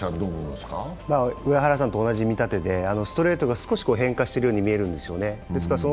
上原さんと同じ見立てで、ストレートが少し変化してるように見えるんですよね。